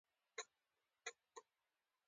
د فرعنوو د وخت مذهب او عقیده :